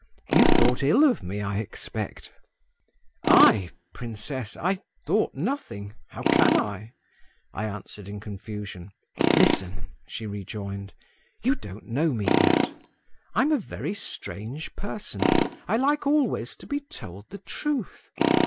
"You thought ill of me, I expect?" "I … princess … I thought nothing … how can I?…" I answered in confusion. "Listen," she rejoined. "You don't know me yet. I'm a very strange person; I like always to be told the truth.